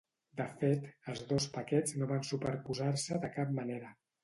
De fet, els dos paquets no van superposar-se de cap manera.